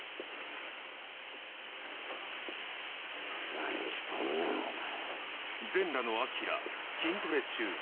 何しとんねんお前。